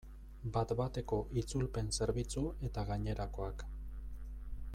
Bat-bateko itzulpen zerbitzu eta gainerakoak.